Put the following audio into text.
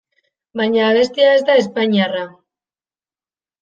Baina abestia ez da espainiarra.